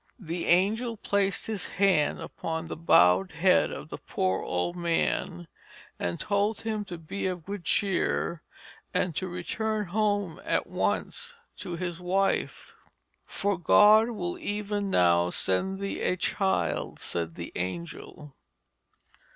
The angel placed his hand upon the bowed head of the poor old man, and told him to be of good cheer and to return home at once to his wife. 'For God will even now send thee a child,' said the angel.